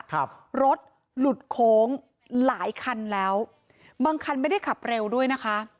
ครับรถหลุดโค้งหลายคันแล้วบางคันไม่ได้ขับเร็วด้วยนะคะ